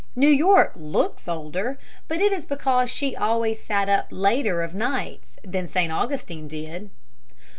New York looks older, but it is because she always sat up later of nights than St. Augustine did.